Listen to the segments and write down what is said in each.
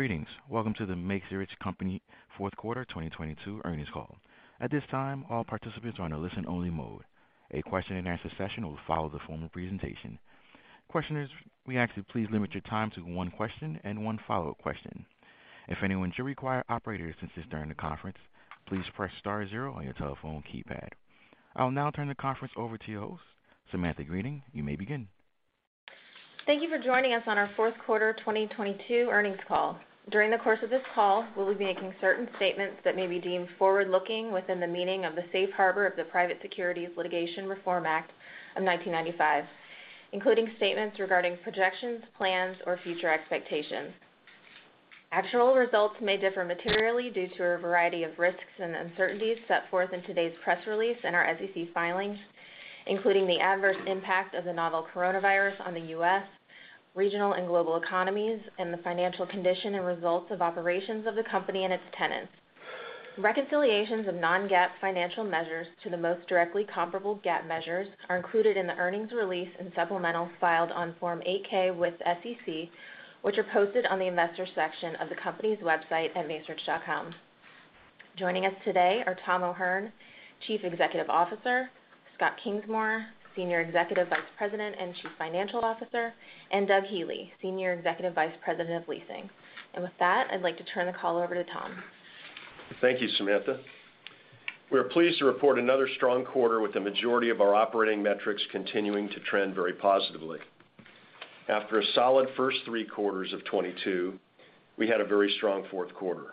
Greetings. Welcome to The Macerich Company Q4 2022 earnings call. At this time, all participants are in a listen only mode. A question and answer session will follow the formal presentation. Questioners, we ask you please limit your time to one question and one follow-up question. If anyone should require operator assistance during the conference, please press star zero on your telephone keypad. I will now turn the conference over to your host. Samantha Greening, you may begin. Thank you for joining us on our Q4 2022 earnings call. During the course of this call, we'll be making certain statements that may be deemed forward-looking within the meaning of the Safe Harbor of the Private Securities Litigation Reform Act of 1995, including statements regarding projections, plans or future expectations. Actual results may differ materially due to a variety of risks and uncertainties set forth in today's press release in our SEC filings, including the adverse impact of the novel coronavirus on the U.S., regional and global economies, and the financial condition and results of operations of the company and its tenants. Reconciliations of non-GAAP financial measures to the most directly comparable GAAP measures are included in the earnings release and supplementals filed on Form 8-K with SEC, which are posted on the investors section of the company's website at macerich.com. Joining us today are Tom O'Hern, Chief Executive Officer, Scott Kingsmore, Senior Executive Vice President and Chief Financial Officer, and Doug Healey, Senior Executive Vice President of Leasing. With that, I'd like to turn the call over to Tom. Thank you, Samantha. We are pleased to report another strong quarter with the majority of our operating metrics continuing to trend very positively. After a solid first three quarters of 2022, we had a very strong Q4.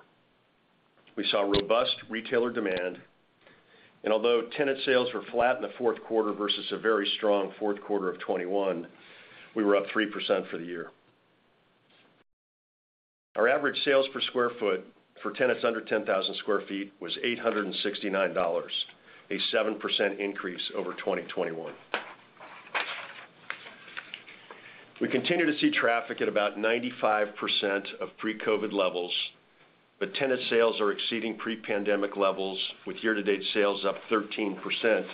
Although tenant sales were flat in the Q4 versus a very strong Q4 of 2021, we were up 3% for the year. Our average sales per square foot for tenants under 10,000 square feet was $869, a 7% increase over 2021. We continue to see traffic at about 95% of pre-COVID levels, but tenant sales are exceeding pre-pandemic levels with year to date sales up 13%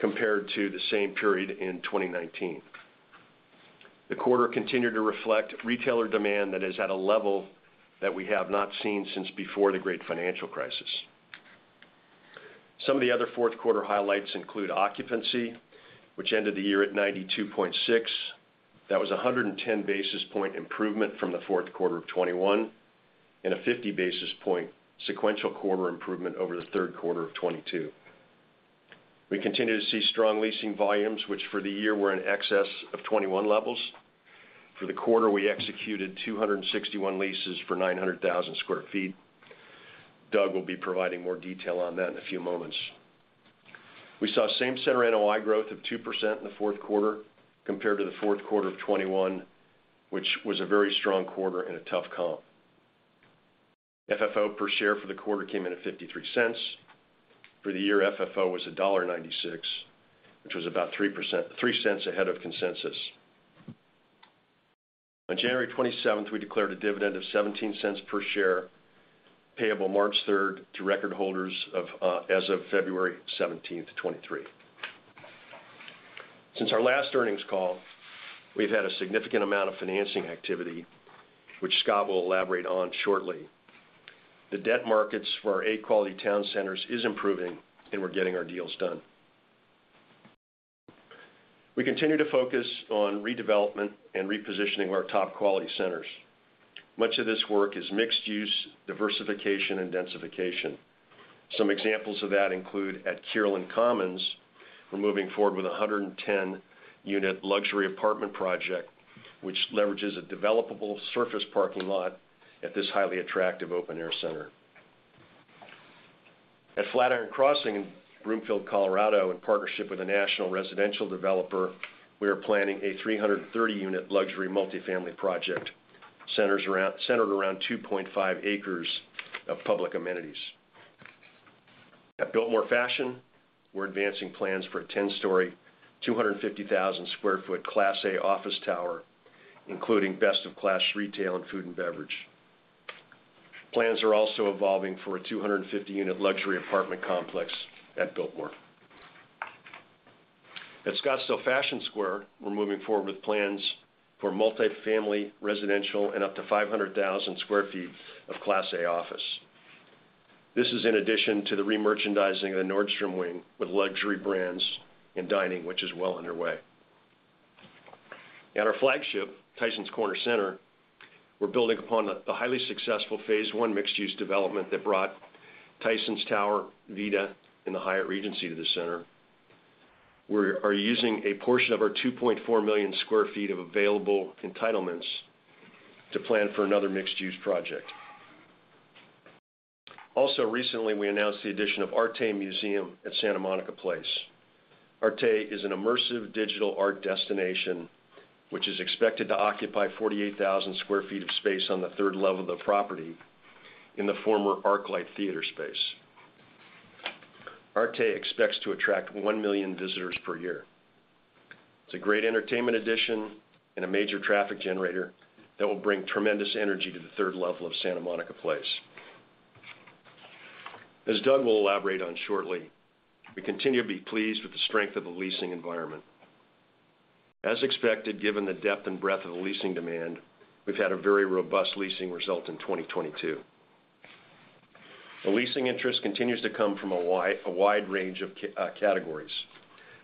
compared to the same period in 2019. The quarter continued to reflect retailer demand that is at a level that we have not seen since before the great financial crisis. Some of the other Q4 highlights include occupancy, which ended the year at 92.6. That was a 110 basis point improvement from the Q4 of 2021 and a 50 basis point sequential quarter improvement over the Q3 of 2022. We continue to see strong leasing volumes which for the year were in excess of 2021 levels. For the quarter, we executed 261 leases for 900,000 sq ft. Doug will be providing more detail on that in a few moments. We saw same center NOI growth of 2% in the Q4 compared to the Q4 of 2021, which was a very strong quarter and a tough comp. FFO per share for the quarter came in at $0.53. For the year, FFO was $1.96, which was about $0.03 ahead of consensus. On January 27th, we declared a dividend of $0.17 per share, payable March 3rd to record holders as of February 17th, 2023. Since our last earnings call, we've had a significant amount of financing activity, which Scott will elaborate on shortly. The debt markets for our A quality town centers is improving, and we're getting our deals done. We continue to focus on redevelopment and repositioning of our top quality centers. Much of this work is mixed use, diversification and densification. Some examples of that include at Kierland Commons, we're moving forward with a 110 unit luxury apartment project, which leverages a developable surface parking lot at this highly attractive open air center. At Flatiron Crossing in Broomfield, Colorado, in partnership with a national residential developer, we are planning a 330 unit luxury multifamily project centered around 2.5 acres of public amenities. At Biltmore Fashion, we're advancing plans for a 10 story, 250,000 sq ft class A office tower, including best of class retail and food and beverage. Plans are also evolving for a 250 unit luxury apartment complex at Biltmore. At Scottsdale Fashion Square, we're moving forward with plans for multifamily residential and up to 500,000 sq ft of class A office. This is in addition to the remerchandising of the Nordstrom wing with luxury brands and dining, which is well underway. At our flagship, Tysons Corner Center, we're building upon the highly successful phase one mixed use development that brought Tysons Tower, VITA and the Hyatt Regency to the center. We're using a portion of our 2.4 million sq ft of available entitlements to plan for another mixed use project. Recently, we announced the addition of ARTE MUSEUM at Santa Monica Place. Arte is an immersive digital art destination, which is expected to occupy 48,000 sq ft of space on the third level of the property in the former ArcLight theater space. Arte expects to attract one million visitors per year. It's a great entertainment addition and a major traffic generator that will bring tremendous energy to the third level of Santa Monica Place. As Doug will elaborate on shortly, we continue to be pleased with the strength of the leasing environment. As expected, given the depth and breadth of the leasing demand, we've had a very robust leasing result in 2022. The leasing interest continues to come from a wide range of categories.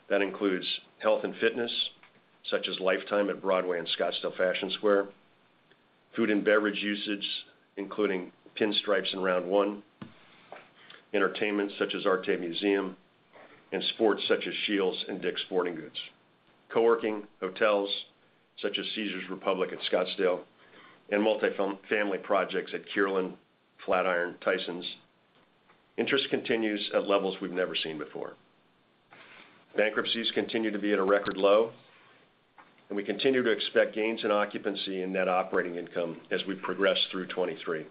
That includes health and fitness, such as Life Time at Broadway and Scottsdale Fashion Square. Food and beverage usage, including Pinstripes and Round1. Entertainment such as ARTE MUSEUM, and sports such as SCHEELS and Dick's Sporting Goods. Co-working, hotels, such as Caesars Republic at Scottsdale, and multi-family projects at Kierland, Flatiron Tysons. Interest continues at levels we've never seen before. Bankruptcies continue to be at a record low. We continue to expect gains in occupancy and net operating income as we progress through 2023.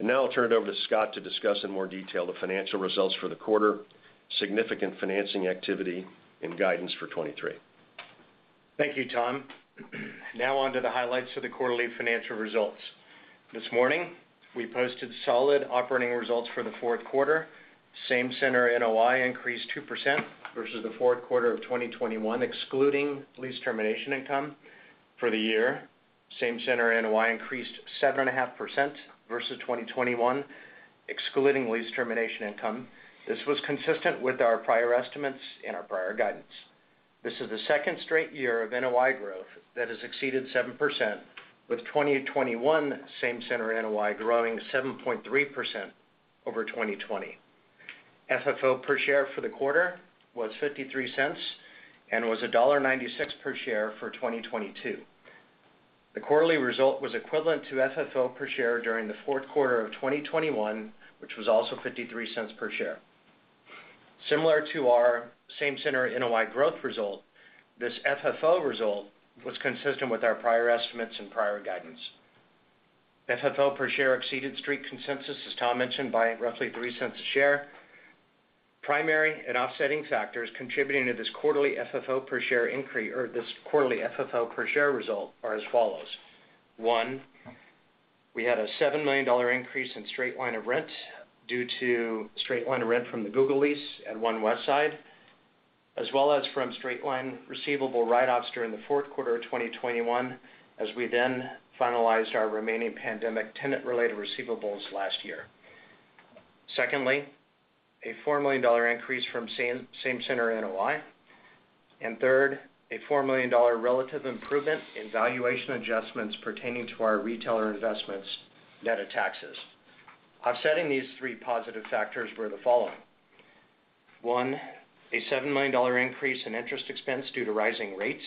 Now I'll turn it over to Scott to discuss in more detail the financial results for the quarter, significant financing activity and guidance for 2023. Thank you, Tom. On to the highlights of the quarterly financial results. This morning, we posted solid operating results for the Q4. Same center NOI increased 2% versus the Q4 of 2021, excluding lease termination income. For the year, same center NOI increased 7.5% versus 2021, excluding lease termination income. This was consistent with our prior estimates and our prior guidance. This is the second straight year of NOI growth that has exceeded 7%, with 2021 same center NOI growing 7.3% over 2020. FFO per share for the quarter was $0.53 and was $1.96 per share for 2022. The quarterly result was equivalent to FFO per share during the Q4 of 2021, which was also $0.53 per share. Similar to our same center NOI growth result, this FFO result was consistent with our prior estimates and prior guidance. FFO per share exceeded street consensus, as Tom mentioned, by roughly $0.03 a share. Primary and offsetting factors contributing to this quarterly FFO per share result are as follows. One, we had a $7 million increase in straight line of rent due to straight line of rent from the Google lease at One Westside, as well as from straight line receivable write-offs during the Q4 of 2021, as we then finalized our remaining pandemic tenant-related receivables last year. Secondly, a $4 million increase from same center NOI. Third, a $4 million relative improvement in valuation adjustments pertaining to our retailer investments, net of taxes. Offsetting these three positive factors were the following. One, a $7 million increase in interest expense due to rising rates.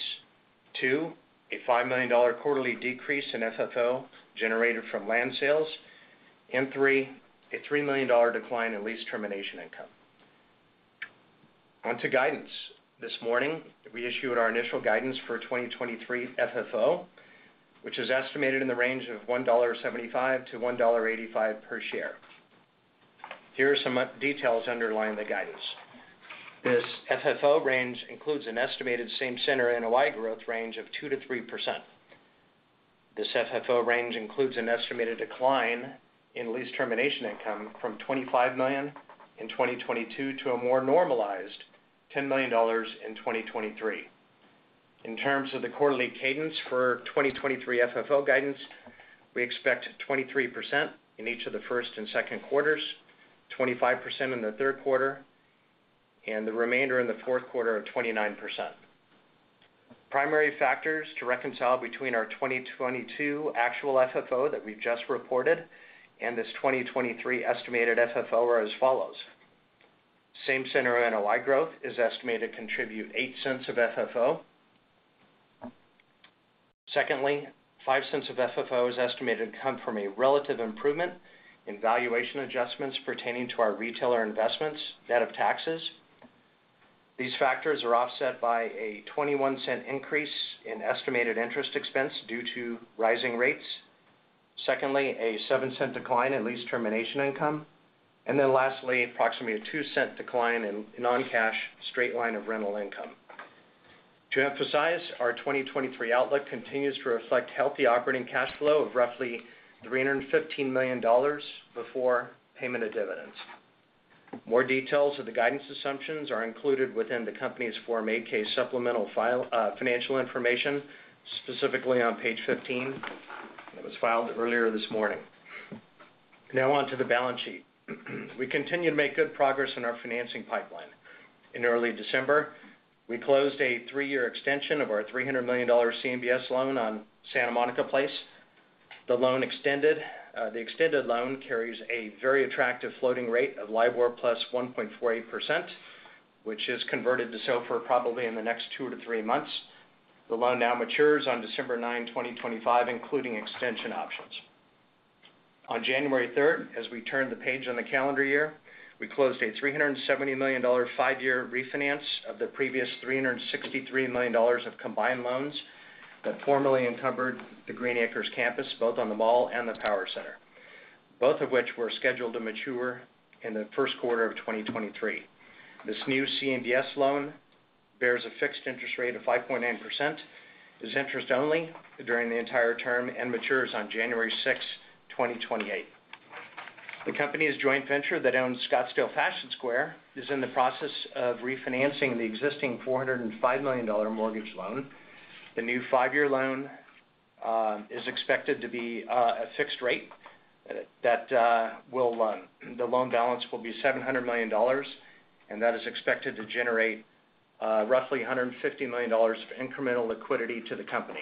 Two, a $5 million quarterly decrease in FFO generated from land sales. Three, a $3 million decline in lease termination income. On to guidance. This morning, we issued our initial guidance for 2023 FFO, which is estimated in the range of $1.75-$1.85 per share. Here are some details underlying the guidance. This FFO range includes an estimated same center NOI growth range of 2%-3%. This FFO range includes an estimated decline in lease termination income from $25 million in 2022 to a more normalized $10 million in 2023. In terms of the quarterly cadence for 2023 FFO guidance, we expect 23% in each of the Q1 and Q2, 25% in the Q3, and the remainder in the Q4 of 29%. Primary factors to reconcile between our 2022 actual FFO that we've just reported and this 2023 estimated FFO are as follows. Same center NOI growth is estimated to contribute $0.08 of FFO. Secondly, $0.05 of FFO is estimated to come from a relative improvement in valuation adjustments pertaining to our retailer investments, net of taxes. These factors are offset by a $0.21 increase in estimated interest expense due to rising rates. Secondly, a $0.07 decline in lease termination income. Lastly, approximately a $0.02 decline in non-cash straight line of rental income. To emphasize, our 2023 outlook continues to reflect healthy operating cash flow of roughly $315 million before payment of dividends. More details of the guidance assumptions are included within the company's Form 8-K supplemental file, financial information, specifically on page 15. It was filed earlier this morning. On to the balance sheet. We continue to make good progress in our financing pipeline. In early December, we closed a three year extension of our $300 million CMBS loan on Santa Monica Place. The extended loan carries a very attractive floating rate of LIBOR plus 1.48%, which is converted to SOFR probably in the next two to three months. The loan now matures on December 9, 2025, including extension options. On January 3rd, as we turned the page on the calendar year, we closed a $370 million five year refinance of the previous $363 million of combined loans that formerly encumbered the Green Acres campus, both on the mall and the power center, both of which were scheduled to mature in the Q1 of 2023. This new CMBS loan bears a fixed interest rate of 5.9%, is interest only during the entire term, and matures on January 6th, 2028. The company's joint venture that owns Scottsdale Fashion Square is in the process of refinancing the existing $405 million mortgage loan. The new five year loan is expected to be a fixed rate that will run. The loan balance will be $700 million, and that is expected to generate roughly $150 million of incremental liquidity to the company.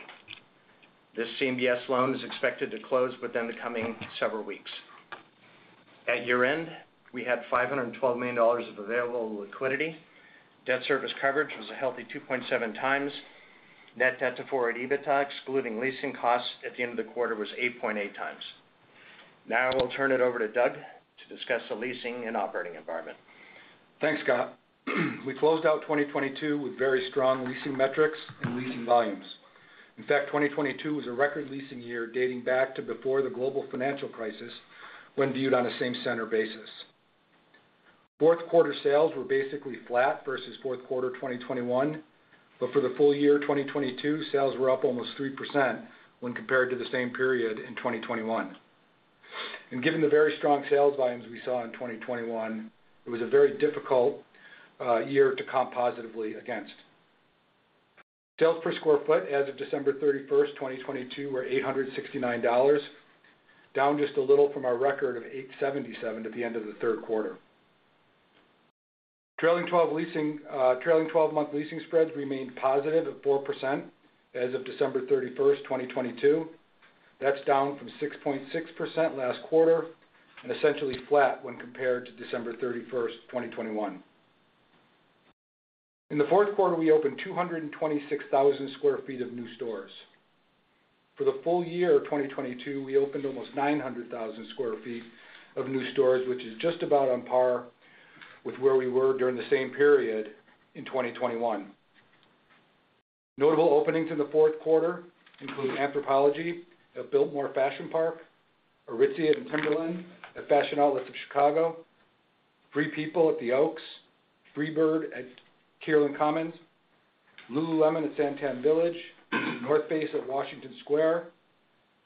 This CMBS loan is expected to close within the coming several weeks. At year-end, we had $512 million of available liquidity. Debt service coverage was a healthy 2.7 times. Net debt to forward EBITDA, excluding leasing costs at the end of the quarter, was 8.8 times. Now I will turn it over to Doug to discuss the leasing and operating environment. Thanks, Scott. We closed out 2022 with very strong leasing metrics and leasing volumes. In fact, 2022 was a record leasing year dating back to before the global financial crisis when viewed on a same center basis. Q4 sales were basically flat versus Q4 2021. For the full year, 2022, sales were up almost 3% when compared to the same period in 2021. Given the very strong sales volumes we saw in 2021, it was a very difficult year to comp positively against. Sales per square foot as of December 31st, 2022, were $869, down just a little from our record of $877 at the end of the third quarter. Trailing twelve-month leasing spreads remained positive at 4% as of December 31st, 2022. That's down from 6.6% last quarter and essentially flat when compared to December 31st, 2021. In the Q4, we opened 226,000 square feet of new stores. For the full year of 2022, we opened almost 900,000 square feet of new stores, which is just about on par with where we were during the same period in 2021. Notable openings in the Q4 include Anthropologie at Biltmore Fashion Park, Aritzia and Timberland at Fashion Outlets of Chicago, Free People at the Oaks, Freebird at Kierland Commons, lululemon at SanTan Village, The North Face at Washington Square,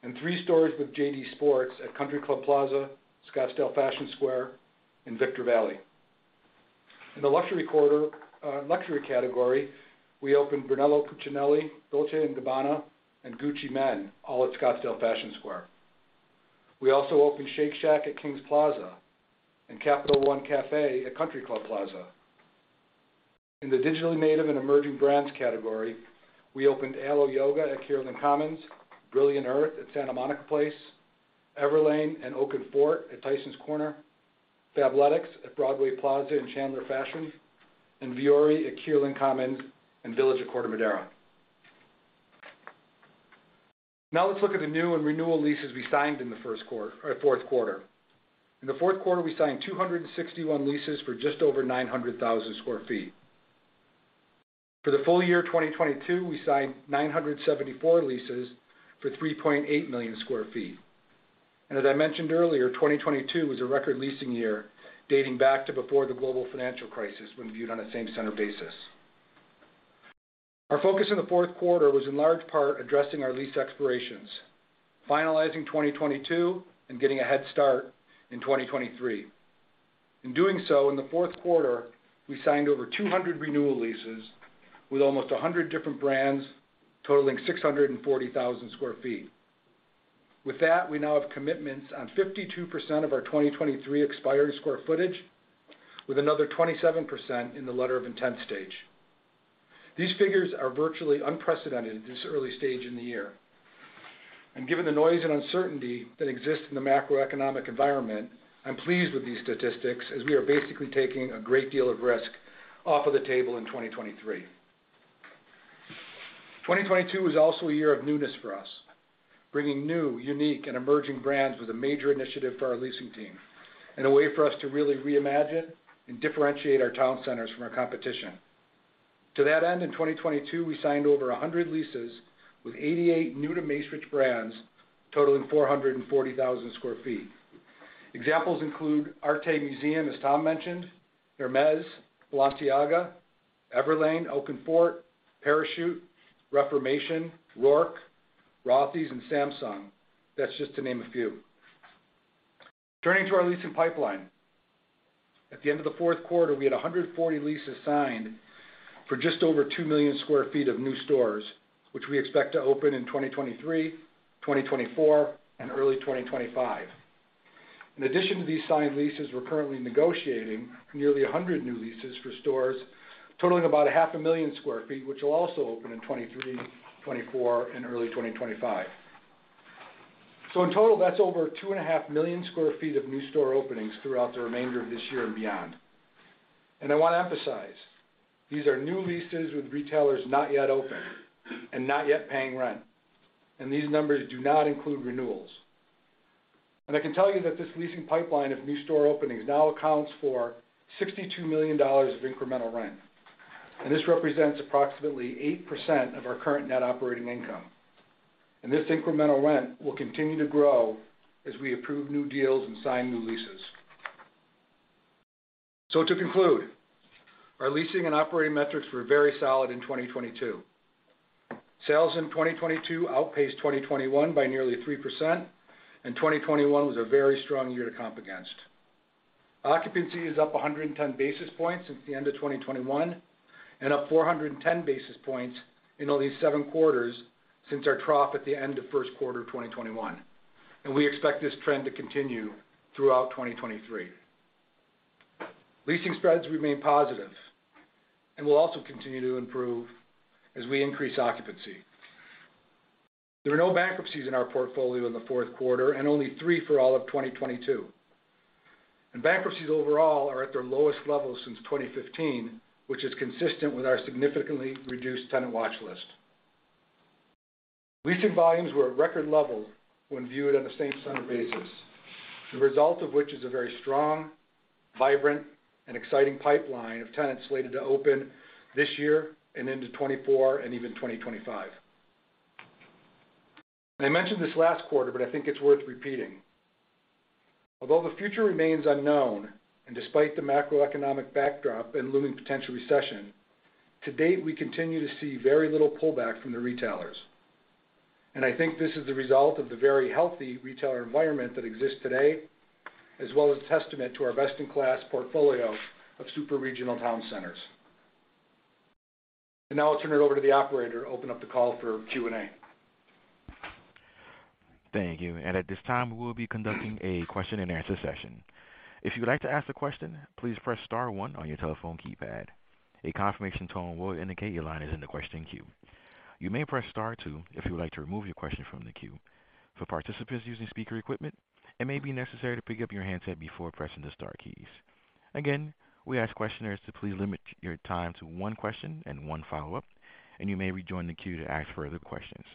and three stores with JD Sports at Country Club Plaza, Scottsdale Fashion Square, and Victor Valley. In the luxury category, we opened Brunello Cucinelli, Dolce & Gabbana, and Gucci Men, all at Scottsdale Fashion Square. We also opened Shake Shack at Kings Plaza and Capital One Cafe at Country Club Plaza. In the digitally native and emerging brands category, we opened Alo Yoga at Kierland Commons, Brilliant Earth at Santa Monica Place, Everlane and Oak + Fort at Tysons Corner, Fabletics at Broadway Plaza and Chandler Fashion, and Vuori at Kierland Commons and Village at Corte Madera. Let's look at the new and renewal leases we signed in the Q4. In the Q4, we signed 261 leases for just over 900,000 sq ft. For the full year 2022, we signed 974 leases for 3.8 million sq ft. As I mentioned earlier, 2022 was a record leasing year dating back to before the global financial crisis when viewed on a same center basis. Our focus in the Q4 was in large part addressing our lease expirations, finalizing 2022 and getting a head start in 2023. In doing so, in the Q4, we signed over 200 renewal leases with almost 100 different brands totaling 640,000 sq ft. With that, we now have commitments on 52% of our 2023 expiry square footage, with another 27% in the letter of intent stage. These figures are virtually unprecedented at this early stage in the year. Given the noise and uncertainty that exists in the macroeconomic environment, I'm pleased with these statistics as we are basically taking a great deal of risk off of the table in 2023. 2022 is also a year of newness for us, bringing new, unique, and emerging brands with a major initiative for our leasing team and a way for us to really reimagine and differentiate our town centers from our competition. To that end, in 2022, we signed over 100 leases with 88 new to Macerich brands totaling 440,000 sq ft. Examples include ARTE MUSEUM, as Tom mentioned, Hermès, Balenciaga, Everlane, Oak + Fort, Parachute, Reformation, Roark, Rothy's, and Samsung. That's just to name a few. Turning to our leasing pipeline, at the end of the Q4, we had 140 leases signed for just over two million sq ft of new stores, which we expect to open in 2023, 2024, and early 2025. In addition to these signed leases, we're currently negotiating nearly 100 new leases for stores totaling about a half a million square feet, which will also open in 2023, 2024, and early 2025. In total, that's over two and a half million square feet of new store openings throughout the remainder of this year and beyond. I wanna emphasize, these are new leases with retailers not yet open and not yet paying rent, and these numbers do not include renewals. I can tell you that this leasing pipeline of new store openings now accounts for $62 million of incremental rent, and this represents approximately 8% of our current net operating income. This incremental rent will continue to grow as we approve new deals and sign new leases. To conclude, our leasing and operating metrics were very solid in 2022. Sales in 2022 outpaced 2021 by nearly 3%. 2021 was a very strong year to comp against. Occupancy is up 110 basis points since the end of 2021 and up 410 basis points in all these seven quarters since our trough at the end of Q1 of 2021. We expect this trend to continue throughout 2023. Leasing spreads remain positive and will also continue to improve as we increase occupancy. There were no bankruptcies in our portfolio in the Q4 and only three for all of 2022. Bankruptcies overall are at their lowest level since 2015, which is consistent with our significantly reduced tenant watch list. Leasing volumes were at record levels when viewed on a same center basis, the result of which is a very strong, vibrant, and exciting pipeline of tenants slated to open this year and into 2024 and even 2025. I mentioned this last quarter, but I think it's worth repeating. Although the future remains unknown, and despite the macroeconomic backdrop and looming potential recession, to date, we continue to see very little pullback from the retailers. I think this is the result of the very healthy retailer environment that exists today, as well as a testament to our best-in-class portfolio of superregional town centers. Now I'll turn it over to the operator to open up the call for Q&A. Thank you. At this time, we will be conducting a question-and-answer session. If you'd like to ask a question, please press star one on your telephone keypad. A confirmation tone will indicate your line is in the question queue. You may press star two if you would like to remove your question from the queue. For participants using speaker equipment, it may be necessary to pick up your handset before pressing the star keys. Again, we ask questioners to please limit your time to one question and one follow-up, and you may rejoin the queue to ask further questions.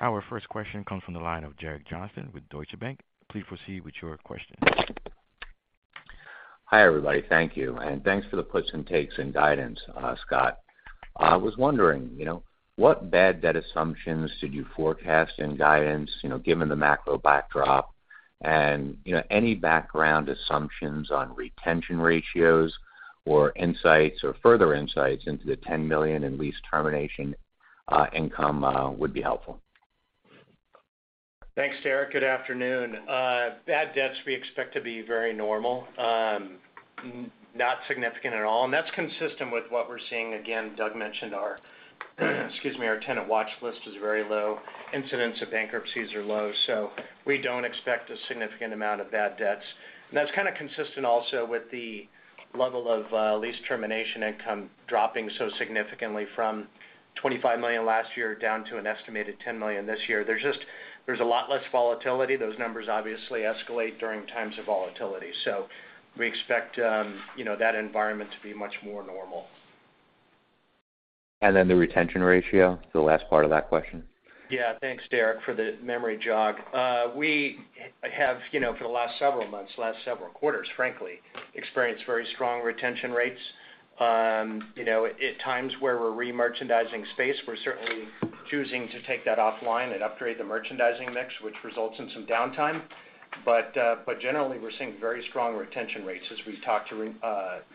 Our first question comes from the line of Derek Johnston with Deutsche Bank. Please proceed with your question. Hi, everybody. Thank you. Thanks for the puts and takes and guidance, Scott. I was wondering, you know, what bad debt assumptions did you forecast in guidance, you know, given the macro backdrop, and, you know, any background assumptions on retention ratios or insights or further insights into the $10 million in lease termination income would be helpful. Thanks, Derek. Good afternoon. Bad debts we expect to be very normal, not significant at all, That's consistent with what we're seeing. Again, Doug mentioned our, excuse me, our tenant watch list is very low. Incidents of bankruptcies are low, so we don't expect a significant amount of bad debts. That's kind of consistent also with the level of lease termination income dropping so significantly from $25 million last year down to an estimated $10 million this year. There's just, there's a lot less volatility. Those numbers obviously escalate during times of volatility. We expect, you know, that environment to be much more normal. The retention ratio, the last part of that question. Thanks, Derek, for the memory jog. We have, you know, for the last several months, last several quarters, frankly, experienced very strong retention rates. you know, at times where we're remerchandising space, we're certainly choosing to take that offline and upgrade the merchandising mix, which results in some downtime. Generally, we're seeing very strong retention rates as we've talked to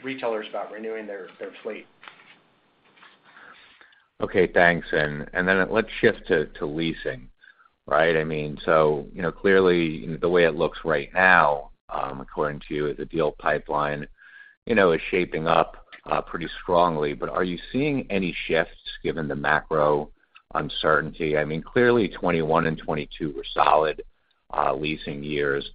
retailers about renewing their fleet. Okay, thanks. Let's shift to leasing, right? I mean, you know, clearly, the way it looks right now, according to you, the deal pipeline, you know, is shaping up pretty strongly. Are you seeing any shifts given the macro uncertainty? I mean, clearly, 2021 and 2022 were solid leasing years.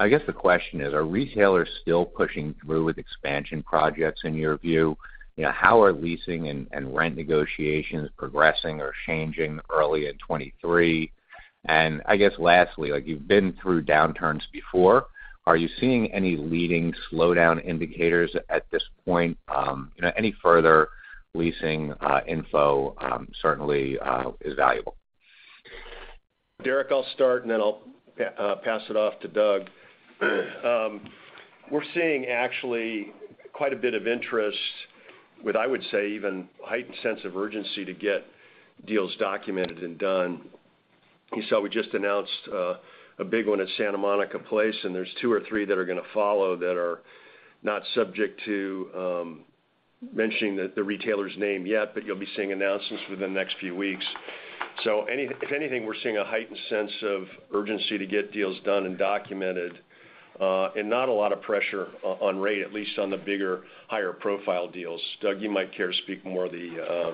I guess the question is, are retailers still pushing through with expansion projects in your view? You know, how are leasing and rent negotiations progressing or changing early in 2023? I guess lastly, like you've been through downturns before, are you seeing any leading slowdown indicators at this point? You know, any further leasing info certainly is valuable. Derek, I'll start, I'll pass it off to Doug. We're seeing actually quite a bit of interest with, I would say, even heightened sense of urgency to get deals documented and done. You saw we just announced a big one at Santa Monica Place, there's two or three that are gonna follow that are not subject to mentioning the retailer's name yet, you'll be seeing announcements within the next few weeks. If anything, we're seeing a heightened sense of urgency to get deals done and documented, not a lot of pressure on rate, at least on the bigger, higher profile deals. Doug, you might care to speak more of the,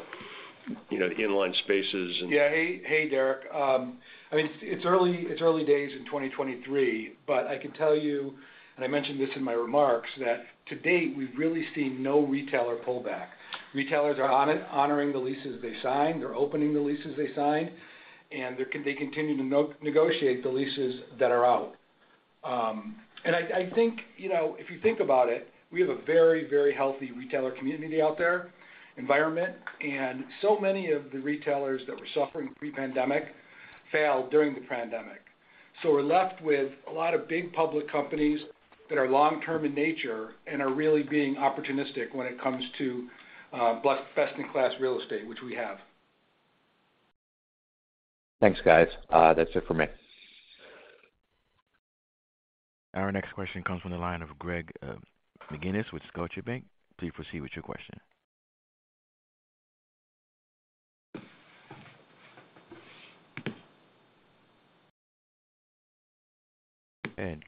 you know, the inline spaces and Yeah. Hey, hey, Derek. I mean, it's early, it's early days in 2023, but I can tell you, and I mentioned this in my remarks, that to date, we've really seen no retailer pullback. Retailers are honoring the leases they signed. They're opening the leases they signed, and they continue to negotiate the leases that are out. and I think, you know, if you think about it, we have a very, very healthy retailer community out there, environment, and so many of the retailers that were suffering pre-pandemic failed during the pandemic. We're left with a lot of big public companies that are long-term in nature and are really being opportunistic when it comes to best-in-class real estate, which we have. Thanks, guys. That's it for me. Our next question comes from the line of Greg McGinniss with Scotiabank. Please proceed with your question.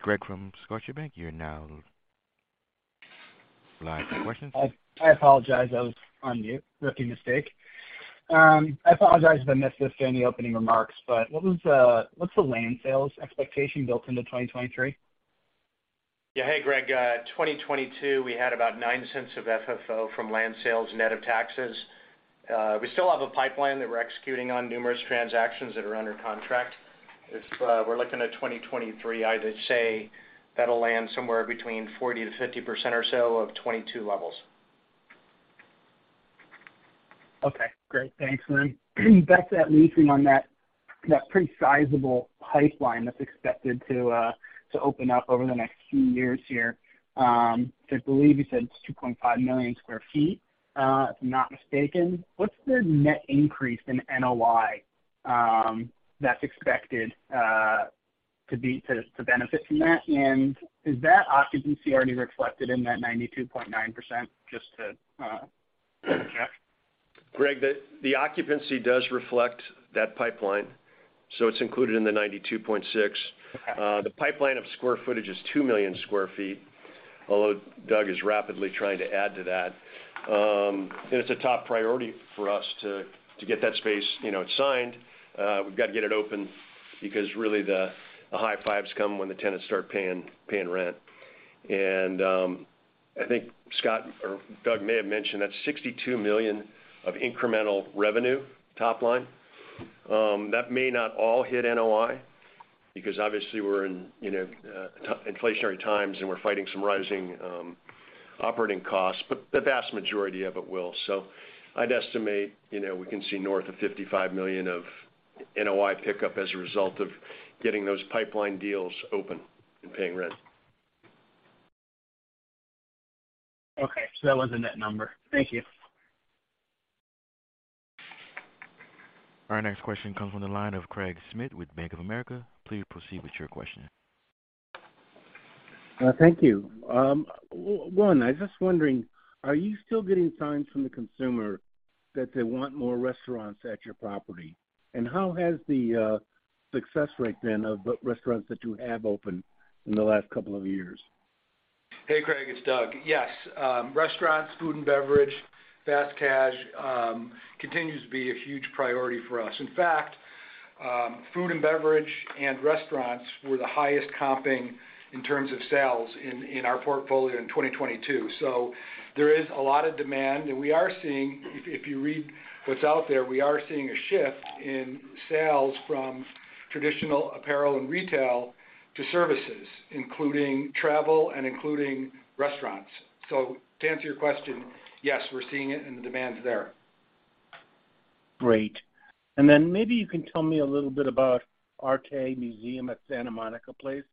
Greg from Scotiabank, you're now live for questions. I apologize. I was on mute. Rookie mistake. I apologize if I missed this in the opening remarks, what was, what's the land sales expectation built into 2023? Hey, Greg. 2022, we had about $0.09 of FFO from land sales net of taxes. We still have a pipeline that we're executing on numerous transactions that are under contract. If we're looking at 2023, I'd say that'll land somewhere between 40%-50% or so of 2022 levels. Okay, great. Thanks, Lynn. Back to that leasing on that pretty sizable pipeline that's expected to open up over the next few years here, I believe you said it's 2.5 million sq ft, if I'm not mistaken. What's the net increase in NOI that's expected to benefit from that? Is that occupancy already reflected in that 92.9% just to, yeah. Greg, the occupancy does reflect that pipeline, it's included in the 92.6%. Okay. The pipeline of square footage is two million square feet, although Doug is rapidly trying to add to that. It's a top priority for us to get that space, you know, signed. We've got to get it open because really the high fives come when the tenants start paying rent. I think Scott or Doug may have mentioned that $62 million of incremental revenue top line that may not all hit NOI because obviously we're in, you know, inflationary times, and we're fighting some rising operating costs, but the vast majority of it will. I'd estimate, you know, we can see north of $55 million of NOI pickup as a result of getting those pipeline deals open and paying rent. Okay, that was a net number. Thank you. Our next question comes from the line of Craig Schmidt with Bank of America. Please proceed with your question. Thank you. One, I was just wondering, are you still getting signs from the consumer that they want more restaurants at your property? How has the success rate been of the restaurants that you have opened in the last couple of years? Hey, Craig. It's Doug. Yes, restaurants, food and beverage, fast cash, continues to be a huge priority for us. In fact, food and beverage and restaurants were the highest comping in terms of sales in our portfolio in 2022. There is a lot of demand, and we are seeing, if you read what's out there, we are seeing a shift in sales from traditional apparel and retail to services, including travel and including restaurants. To answer your question, yes, we're seeing it, and the demand's there. Great. Then maybe you can tell me a little bit about ARTE MUSEUM at Santa Monica Place.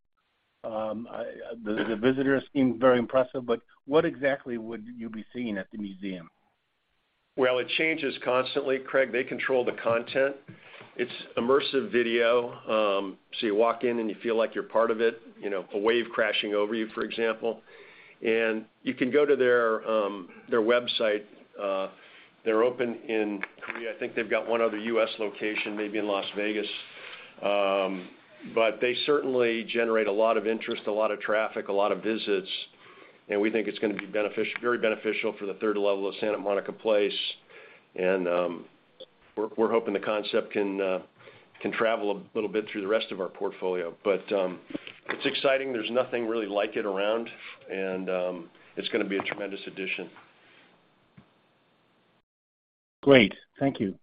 The visitors seem very impressive, but what exactly would you be seeing at the museum? Well, it changes constantly, Craig. They control the content. It's immersive video, so you walk in and you feel like you're part of it, you know, a wave crashing over you, for example. You can go to their website. They're open I think they've got one other US location, maybe in Las Vegas. They certainly generate a lot of interest, a lot of traffic, a lot of visits, and we think it's gonna be very beneficial for the third level of Santa Monica Place. We're, we're hoping the concept can travel a little bit through the rest of our portfolio. It's exciting. There's nothing really like it around, and it's gonna be a tremendous addition. Great. Thank you.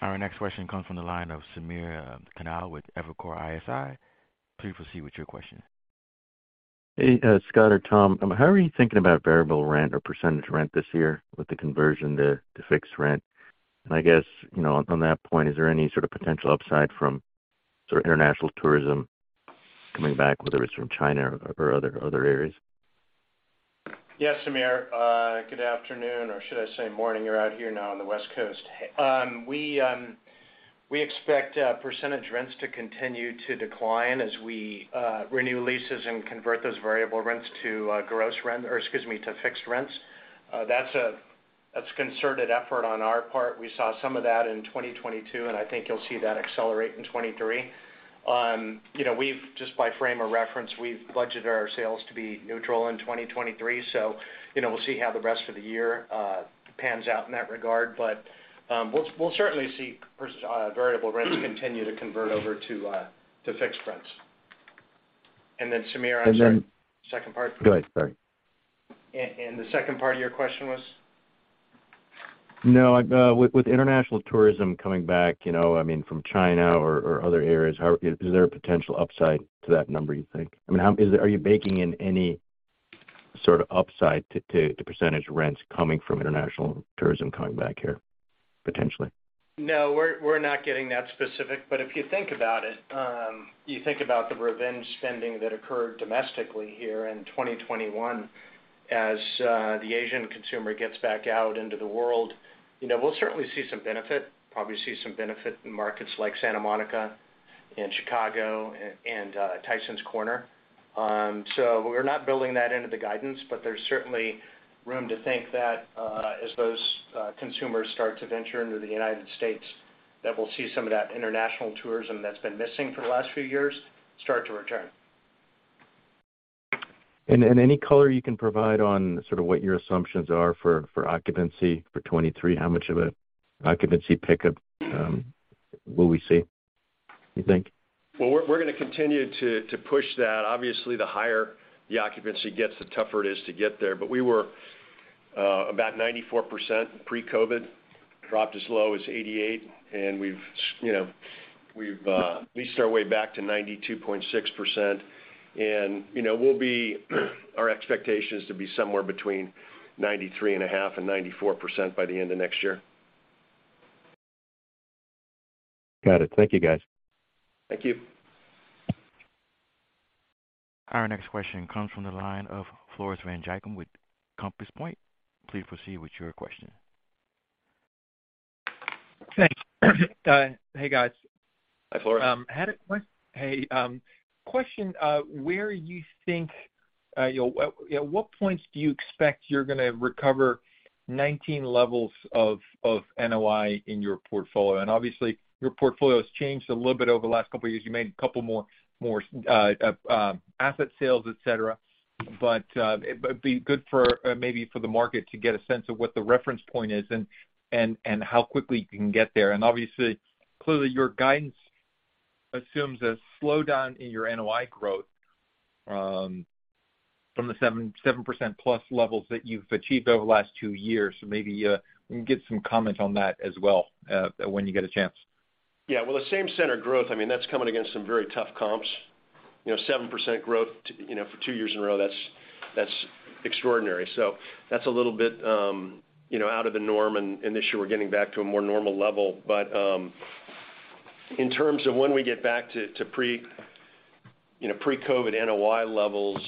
Our next question comes from the line of Samir Khanal with Evercore ISI. Please proceed with your question. Hey, Scott or Tom, how are you thinking about variable rent or percentage rent this year with the conversion to fixed rent? I guess, you know, on that point, is there any sort of potential upside from sort of international tourism coming back, whether it's from China or other areas? Yes, Sameer. good afternoon, or should I say morning. You're out here now on the West Coast. We expect percentage rents to continue to decline as we renew leases and convert those variable rents to or excuse me, to fixed rents. That's a concerted effort on our part. We saw some of that in 2022, I think you'll see that accelerate in 2023. You know, we've just by frame of reference, we've budgeted our sales to be neutral in 2023. You know, we'll see how the rest of the year pans out in that regard. We'll certainly see variable rents continue to convert over to fixed rents. Sameer, on your second part. Go ahead. Sorry. The second part of your question was? No. with international tourism coming back, you know, I mean, from China or other areas, is there a potential upside to that number, you think? I mean, are you baking in any, sort of upside to the percentage rents coming from international tourism coming back here potentially. No, we're not getting that specific. If you think about it, you think about the revenge spending that occurred domestically here in 2021. As the Asian consumer gets back out into the world, you know, we'll certainly see some benefit, probably see some benefit in markets like Santa Monica and Chicago and Tysons Corner. We're not building that into the guidance, there's certainly room to think that as those consumers start to venture into the United States, that we'll see some of that international tourism that's been missing for the last few years start to return. Any color you can provide on sort of what your assumptions are for occupancy for 2023? How much of a occupancy pickup will we see, you think? Well, we're gonna continue to push that. Obviously, the higher the occupancy gets, the tougher it is to get there. We were about 94% pre-COVID, dropped as low as 88, we've, you know, we've leased our way back to 92.6%. You know, our expectation is to be somewhere between 93.5% and 94% by the end of next year. Got it. Thank you, guys. Thank you. Our next question comes from the line of Floris van Dijkum with Compass Point. Please proceed with your question. Thanks. hey, guys. Hi, Floris. Hey, question, where you think, what points do you expect you're gonna recover 19 levels of NOI in your portfolio? Obviously, your portfolio has changed a little bit over the last couple of years. You made a couple more asset sales, et cetera. It would be good for maybe for the market to get a sense of what the reference point is and how quickly you can get there. Obviously, clearly, your guidance assumes a slowdown in your NOI growth from the 7%+ levels that you've achieved over the last two years. Maybe we can get some comment on that as well when you get a chance. Well, the same center growth, I mean, that's coming against some very tough comps. You know, 7% growth, you know, for two years in a row, that's extraordinary. That's a little bit, you know, out of the norm, and this year we're getting back to a more normal level. In terms of when we get back to pre, you know, pre-COVID NOI levels,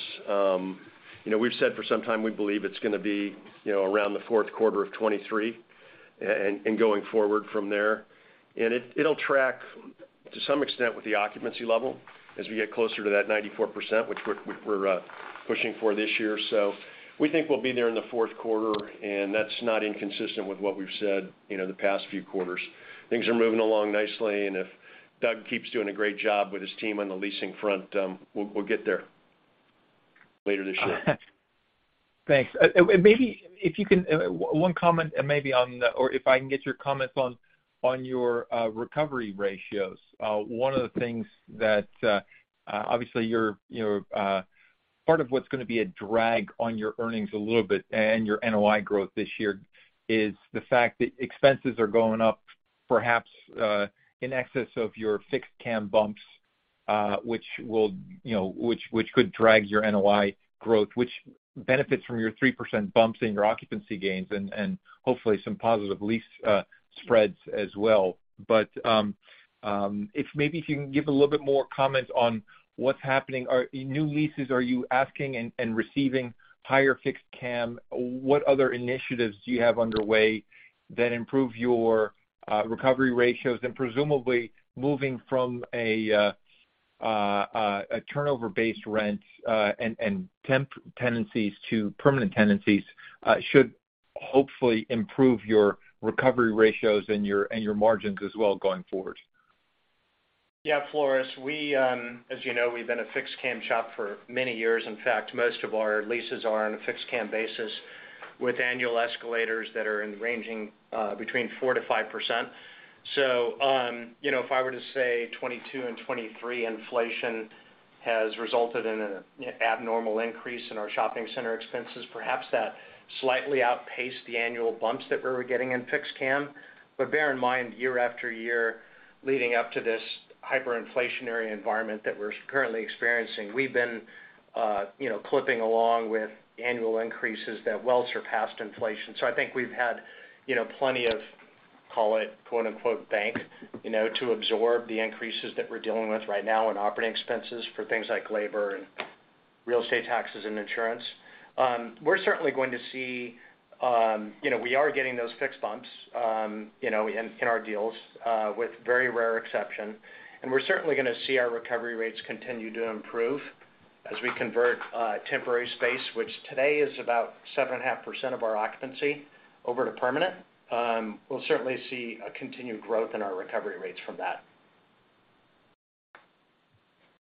you know, we've said for some time we believe it's gonna be, you know, around the Q4 of 2023 and going forward from there. It'll track to some extent with the occupancy level as we get closer to that 94%, which we're pushing for this year. We think we'll be there in the Q4, and that's not inconsistent with what we've said, you know, the past few quarters. Things are moving along nicely, and if Doug keeps doing a great job with his team on the leasing front, we'll get there later this year. Thanks. Maybe if you can one comment or if I can get your comments on your recovery ratios. One of the things that obviously you're you know part of what's gonna be a drag on your earnings a little bit and your NOI growth this year is the fact that expenses are going up, perhaps, in excess of your fixed CAM bumps, which will you know which could drag your NOI growth, which benefits from your 3% bumps and your occupancy gains and hopefully some positive lease spreads as well. If maybe you can give a little bit more comment on what's happening. In new leases, are you asking and receiving higher fixed CAM? What other initiatives do you have underway that improve your recovery ratios? Presumably, moving from a turnover-based rent, and temp tenancies to permanent tenancies, should hopefully improve your recovery ratios and your margins as well going forward. Yeah, Floris. We, as you know, we've been a fixed CAM shop for many years. In fact, most of our leases are on a fixed CAM basis with annual escalators that are in the ranging, between 4%-5%. You know, if I were to say 2022 and 2023 inflation has resulted in an abnormal increase in our shopping center expenses, perhaps that slightly outpaced the annual bumps that we were getting in fixed CAM. Bear in mind, year after year, leading up to this hyperinflationary environment that we're currently experiencing, we've been, you know, clipping along with annual increases that well surpassed inflation. I think we've had, you know, plenty of, call it, quote-unquote, bank, you know, to absorb the increases that we're dealing with right now in operating expenses for things like labor and real estate taxes and insurance. We're certainly going to see, you know, we are getting those fixed bumps, you know, in our deals with very rare exception. We're certainly gonna see our recovery rates continue to improve as we convert temporary space, which today is about 7.5% of our occupancy, over to permanent. We'll certainly see a continued growth in our recovery rates from that.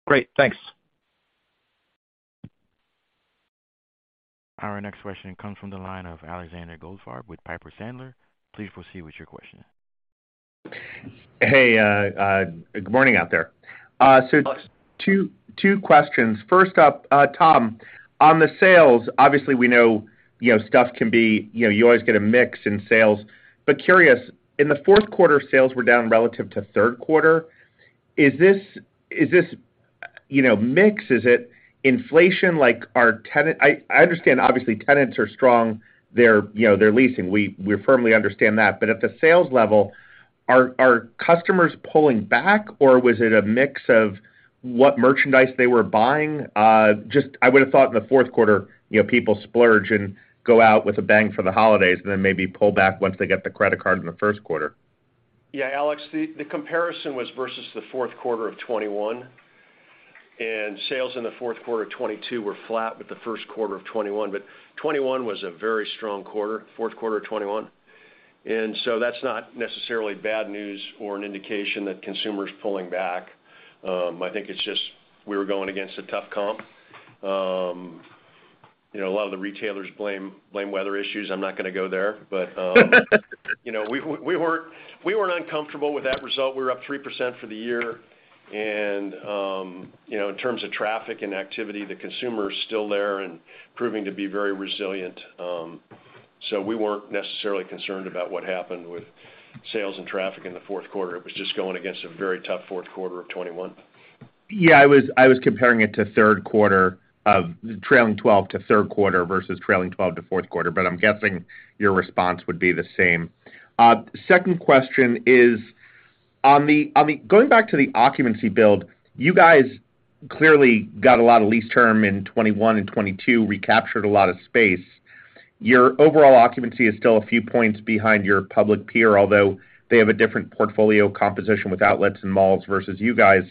Great. Thanks. Our next question comes from the line of Alexander Goldfarb with Piper Sandler. Please proceed with your question. Hey, good morning out there. Two, two questions. First up, Tom, on the sales, obviously, we know, you know, stuff can be, you know, you always get a mix in sales. Curious, in the Q4, sales were down relative to Q3. Is this? You know, mix? Is it inflation like our tenant I understand obviously tenants are strong, they're, you know, they're leasing. We firmly understand that. At the sales level, are customers pulling back or was it a mix of what merchandise they were buying? Just I would have thought in the Q4, you know, people splurge and go out with a bang for the holidays and then maybe pull back once they get the credit card in the Q1. Yeah, Alex, the comparison was versus the Q4 of 2021. Sales in the Q4 of 2022 were flat with the Q1 of 2021. 2021 was a very strong quarter, Q4 of 2021. We weren't uncomfortable with that result. We were up 3% for the year. In terms of traffic and activity, the consumer is still there and proving to be very resilient. We weren't necessarily concerned about what happened with sales and traffic in the Q4. It was just going against a very tough Q4 of 2021. Yeah, I was comparing it to Q3 trailing twelve to Q3 versus trailing twelve to Q4, but I'm guessing your response would be the same. Second question is, on the going back to the occupancy build, you guys clearly got a lot of lease term in 2021 and 2022, recaptured a lot of space. Your overall occupancy is still a few points behind your public peer, although they have a different portfolio composition with outlets and malls versus you guys.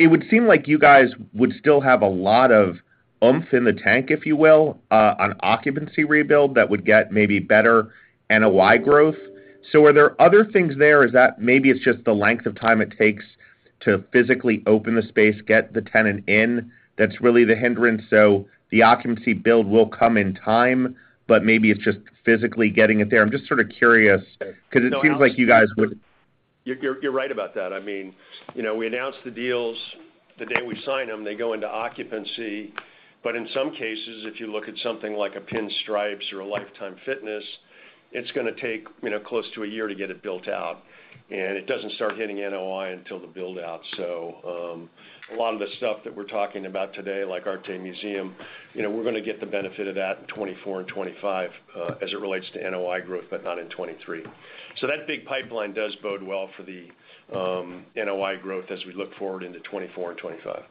It would seem like you guys would still have a lot of oomph in the tank, if you will, on occupancy rebuild that would get maybe better NOI growth. Are there other things there, is that maybe it's just the length of time it takes to physically open the space, get the tenant in that's really the hindrance, so the occupancy build will come in time, but maybe it's just physically getting it there? I'm just sort of curious because it seems like you guys would- You're right about that. I mean, you know, we announce the deals the day we sign them, they go into occupancy. In some cases, if you look at something like a Pinstripes or a Life Time, it's gonna take, you know, close to a year to get it built out, and it doesn't start hitting NOI until the build out. A lot of the stuff that we're talking about today, like ARTE MUSEUM, you know, we're gonna get the benefit of that in 2024 and 2025, as it relates to NOI growth, but not in 2023. That big pipeline does bode well for the NOI growth as we look forward into 2024 and 2025.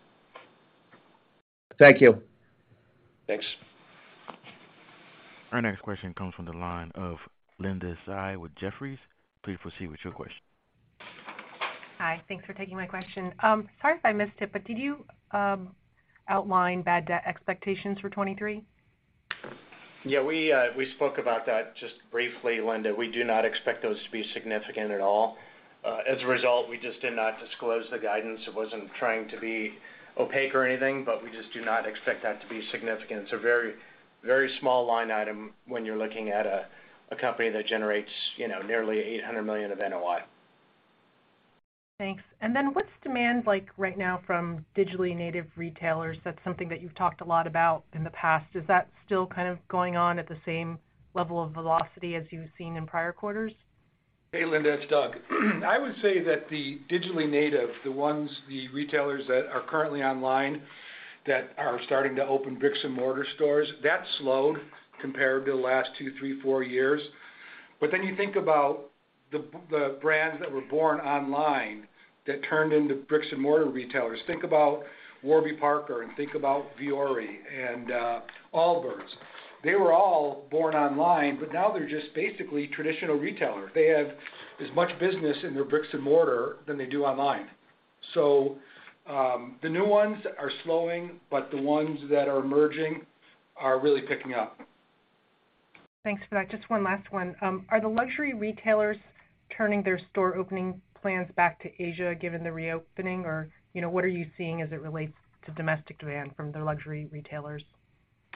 Thank you. Thanks. Our next question comes from the line of Linda Tsai with Jefferies. Please proceed with your question. Hi. Thanks for taking my question. Sorry if I missed it, but did you outline bad debt expectations for 2023? We spoke about that just briefly, Linda. We do not expect those to be significant at all. As a result, we just did not disclose the guidance. It wasn't trying to be opaque or anything, but we just do not expect that to be significant. It's a very, very small line item when you're looking at a company that generates, you know, nearly $800 million of NOI. Thanks. Then what's demand like right now from digitally native retailers? That's something that you've talked a lot about in the past. Is that still kind of going on at the same level of velocity as you've seen in prior quarters? Hey, Linda, it's Doug. I would say that the digitally native, the ones, the retailers that are currently online that are starting to open bricks and mortar stores, that slowed compared to the last two, three, four years. You think about the brands that were born online that turned into bricks and mortar retailers. Think about Warby Parker, and think about Vuori and Allbirds. They were all born online, but now they're just basically traditional retailers. They have as much business in their bricks and mortar than they do online. The new ones are slowing, but the ones that are emerging are really picking up. Thanks for that. Just one last one. Are the luxury retailers turning their store opening plans back to Asia given the reopening? You know, what are you seeing as it relates to domestic demand from the luxury retailers?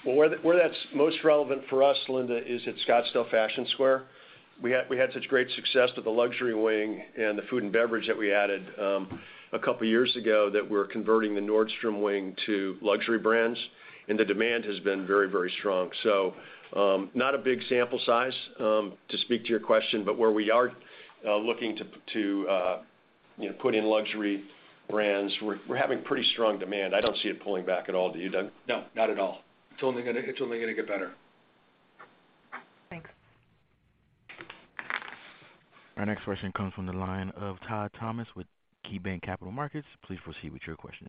Where that's most relevant for us, Linda, is at Scottsdale Fashion Square. We had such great success with the luxury wing and the food and beverage that we added a couple of years ago that we're converting the Nordstrom wing to luxury brands. The demand has been very strong. Not a big sample size to speak to your question, but where we are looking to, you know, put in luxury brands, we're having pretty strong demand. I don't see it pulling back at all. Do you, Doug? No, not at all. It's only gonna get better. Thanks. Our next question comes from the line of Todd Thomas with KeyBanc Capital Markets. Please proceed with your question.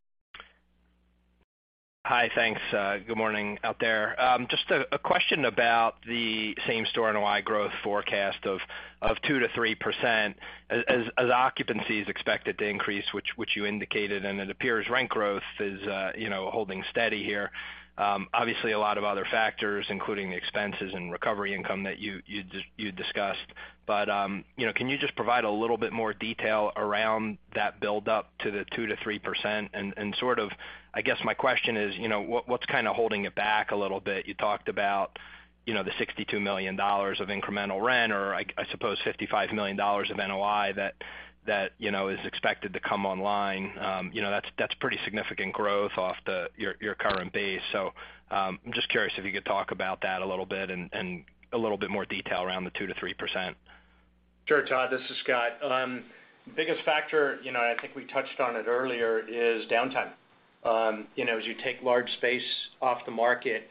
Hi. Thanks. Good morning out there. Just a question about the same store NOI growth forecast of 2%-3% as occupancy is expected to increase, which you indicated, and it appears rent growth is, you know, holding steady here. Obviously a lot of other factors, including the expenses and recovery income that you discussed. Can you just provide a little bit more detail around that build up to the 2%-3%? Sort of, I guess, my question is, you know, what's kind of holding it back a little bit? You talked about, you know, the $62 million of incremental rent or I suppose $55 million of NOI that, you know, is expected to come online. You know, that's pretty significant growth off your current base. I'm just curious if you could talk about that a little bit and a little bit more detail around the 2%-3%. Sure, Todd, this is Scott. The biggest factor, you know, and I think we touched on it earlier, is downtime. You know, as you take large space off the market,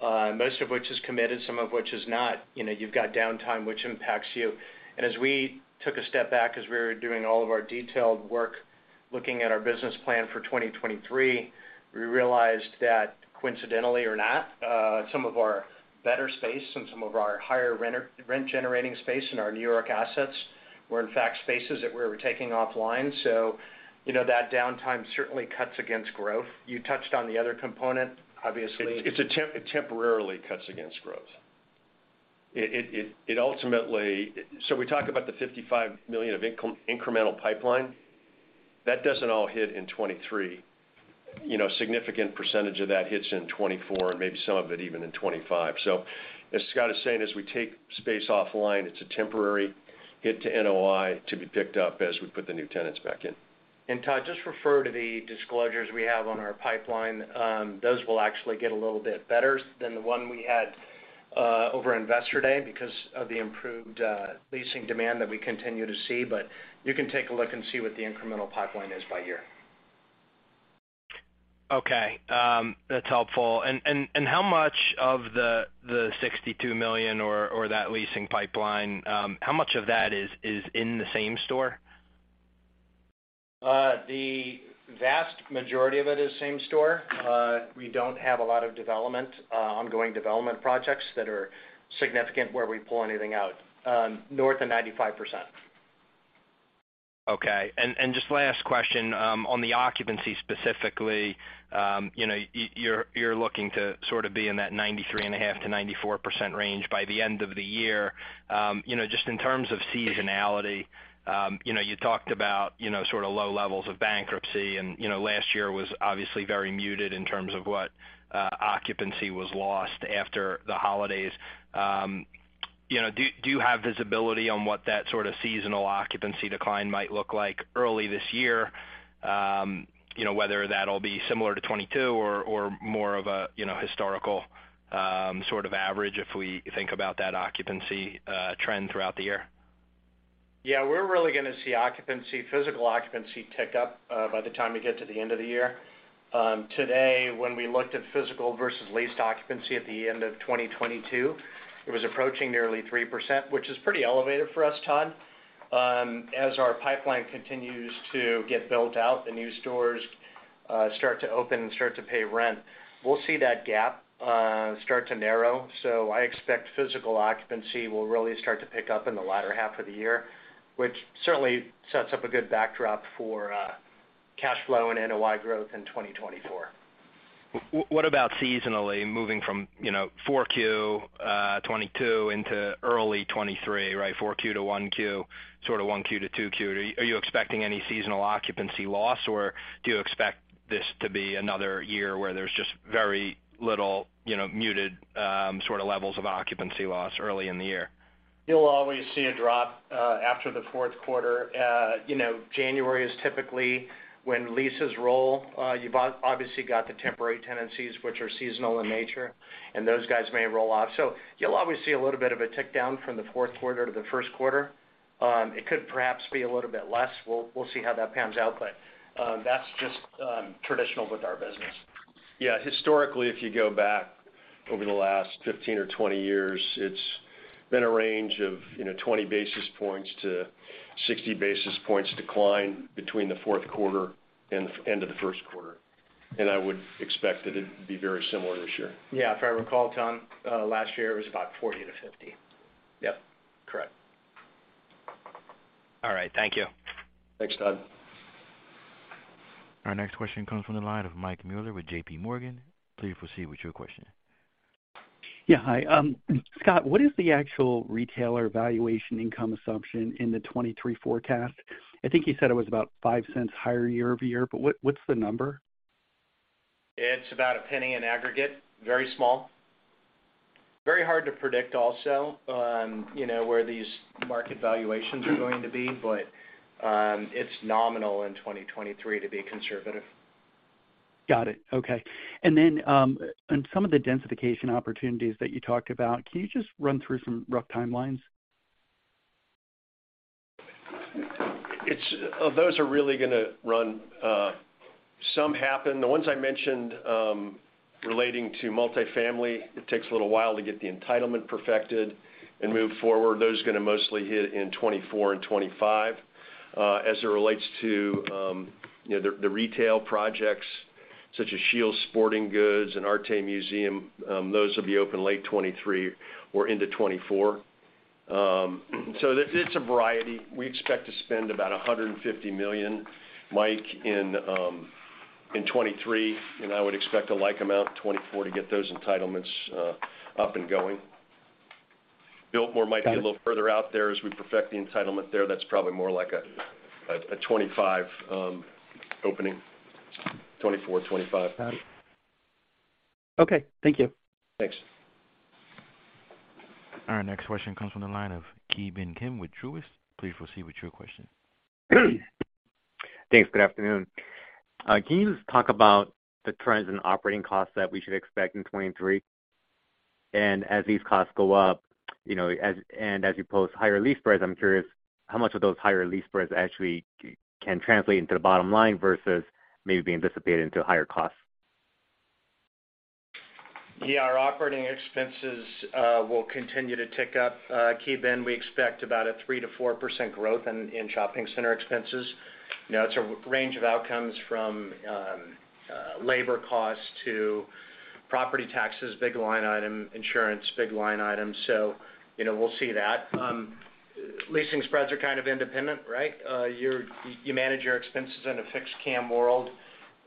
most of which is committed, some of which is not, you know, you've got downtime which impacts you. As we took a step back as we were doing all of our detailed work looking at our business plan for 2023, we realized that coincidentally or not, some of our better space and some of our higher rent generating space in our New York assets were in fact spaces that we're taking offline. You know, that downtime certainly cuts against growth. You touched on the other component, obviously. It temporarily cuts against growth. It ultimately. We talk about the $55 million of incremental pipeline, that doesn't all hit in 2023. You know, significant percentage of that hits in 2024 and maybe some of it even in 2025. As Scott is saying, as we take space offline, it's a temporary hit to NOI to be picked up as we put the new tenants back in. Todd, just refer to the disclosures we have on our pipeline. Those will actually get a little bit better than the one we had, over Investor Day because of the improved leasing demand that we continue to see. You can take a look and see what the incremental pipeline is by year. Okay, that's helpful. How much of the $62 million or that leasing pipeline, how much of that is in the same store? The vast majority of it is same store. We don't have a lot of development, ongoing development projects that are significant where we pull anything out, north of 95%. Okay. Just last question, on the occupancy specifically, you're looking to sort of be in that 93.5%-94% range by the end of the year. Just in terms of seasonality, you talked about sort of low levels of bankruptcy and last year was obviously very muted in terms of what occupancy was lost after the holidays. Do you have visibility on what that sort of seasonal occupancy decline might look like early this year? Whether that'll be similar to 2022 or more of a historical sort of average if we think about that occupancy trend throughout the year. Yeah, we're really gonna see occupancy, physical occupancy tick up by the time we get to the end of the year. Today when we looked at physical versus leased occupancy at the end of 2022, it was approaching nearly 3%, which is pretty elevated for us, Todd. As our pipeline continues to get built out, the new stores, start to open and start to pay rent, we'll see that gap, start to narrow. I expect physical occupancy will really start to pick up in the latter half of the year, which certainly sets up a good backdrop for cash flow and NOI growth in 2024. What about seasonally moving from, you know, Q4 2022 into early 2023, right, Q4 to Q1, sort of Q1 to Q2? Are you expecting any seasonal occupancy loss, or do you expect this to be another year where there's just very little, you know, muted, sort of levels of occupancy loss early in the year? You'll always see a drop after the Q4. You know, January is typically when leases roll. You've obviously got the temporary tenancies which are seasonal in nature, and those guys may roll off. You'll always see a little bit of a tick down from the Q4 to the Q1er. It could perhaps be a little bit less. We'll see how that pans out, but that's just traditional with our business. Yeah. Historically, if you go back over the last 15 or 20 years, it's been a range of, you know, 20 basis points to 60 basis points decline between the Q4 and end of the Q1, and I would expect that it'd be very similar this year. Yeah. If I recall, Todd, last year it was about 40 to 50. Yep. Correct. All right. Thank you. Thanks, Todd. Our next question comes from the line of Mike Mueller with JPMorgan. Please proceed with your question. Yeah. Hi. Scott, what is the actual retailer valuation income assumption in the 2023 forecast? I think you said it was about $0.05 higher year-over-year, but what's the number? It's about $0.01 in aggregate, very small. Very hard to predict also, you know, where these market valuations are going to be, but it's nominal in 2023 to be conservative. Got it. Okay. On some of the densification opportunities that you talked about, can you just run through some rough timelines? Those are really gonna run, some happen. The ones I mentioned, relating to multifamily, it takes a little while to get the entitlement perfected and move forward. Those are gonna mostly hit in 2024 and 2025. As it relates to, you know, the retail projects such as SCHEELS Sporting Goods and ARTE MUSEUM, those will be open late 2023 or into 2024. It's a variety. We expect to spend about $150 million, Mike, in 2023, and I would expect a like amount in 2024 to get those entitlements up and going. Biltmore might be a little further out there as we perfect the entitlement there. That's probably more like a 2025 opening, 2024-2025. Okay. Thank you. Thanks. Our next question comes from the line of Ki Bin Kim with Truist. Please proceed with your question. Thanks. Good afternoon. Can you just talk about the trends in operating costs that we should expect in 2023? As these costs go up, you know, as, and as you post higher lease spreads, I'm curious how much of those higher lease spreads actually can translate into the bottom line versus maybe being dissipated into higher costs. Yeah. Our operating expenses will continue to tick up, Ki Bin. We expect about a 3%-4% growth in shopping center expenses. You know, it's a range of outcomes from labor costs to property taxes, big line item, insurance, big line item. You know, we'll see that. Leasing spreads are kind of independent, right? You manage your expenses in a fixed CAM world.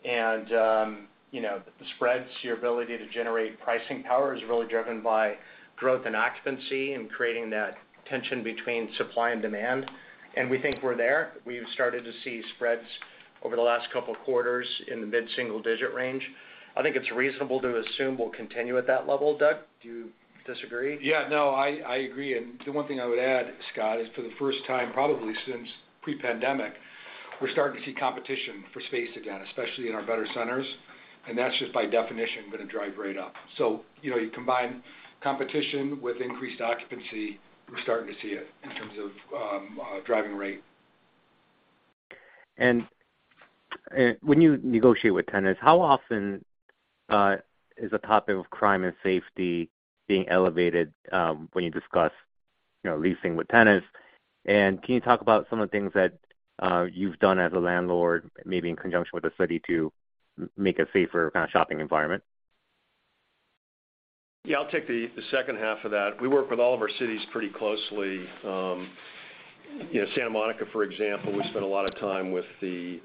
You know, the spreads, your ability to generate pricing power is really driven by growth and occupancy and creating that tension between supply and demand. We think we're there. We've started to see spreads over the last two quarters in the mid-single-digit range. I think it's reasonable to assume we'll continue at that level. Doug, do you disagree? Yeah. No, I agree. The one thing I would add, Scott, is for the first time, probably since pre-pandemic, we're starting to see competition for space again, especially in our better centers, and that's just by definition gonna drive rate up. You know, you combine competition with increased occupancy, we're starting to see it in terms of driving rate. When you negotiate with tenants, how often is the topic of crime and safety being elevated, when you discuss, you know, leasing with tenants? Can you talk about some of the things that you've done as a landlord, maybe in conjunction with the city to make a safer kind of shopping environment? I'll take the second half of that. We work with all of our cities pretty closely. You know, Santa Monica, for example, we spend a lot of time with the,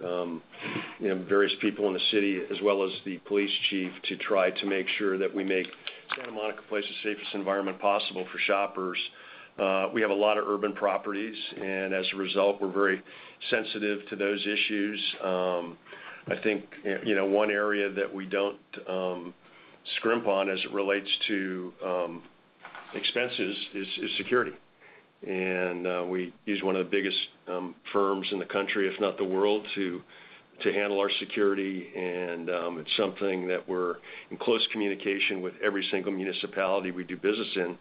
you know, various people in the city as well as the police chief to try to make sure that we make Santa Monica Place the safest environment possible for shoppers. We have a lot of urban properties, and as a result, we're very sensitive to those issues. I think, you know, one area that we don't scrimp on as it relates to expenses is security. We use one of the biggest firms in the country, if not the world, to handle our security. It's something that we're in close communication with every single municipality we do business in,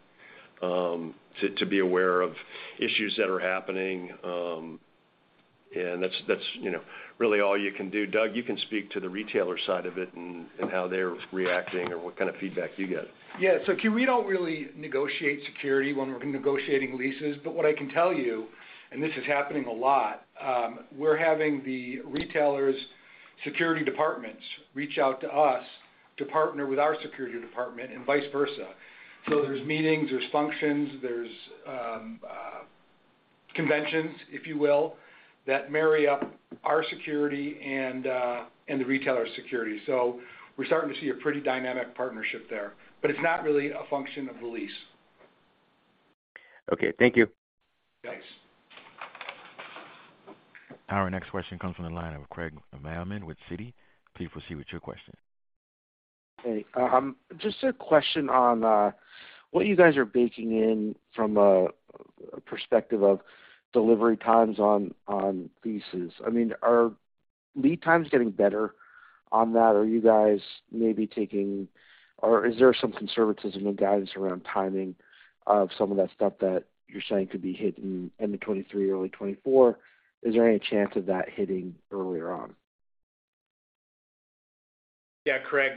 to be aware of issues that are happening. That's, you know, really all you can do. Doug, you can speak to the retailer side of it and how they're reacting or what kind of feedback you get. Yeah. Can we don't really negotiate security when we're negotiating leases. What I can tell you, and this is happening a lot, we're having the retailers' security departments reach out to us to partner with our security department and vice versa. There's meetings, there's functions, there's conventions, if you will, that marry up our security and the retailer security. We're starting to see a pretty dynamic partnership there. It's not really a function of the lease. Okay, thank you. Thanks. Our next question comes from the line of Craig Mailman with Citi. Please proceed with your question. Hey. Just a question on what you guys are baking in from a perspective of delivery times on leases. I mean, are lead times getting better on that? Are you guys maybe taking or is there some conservatism and guidance around timing of some of that stuff that you're saying could be hit in end of 2023, early 2024? Is there any chance of that hitting earlier on? Craig,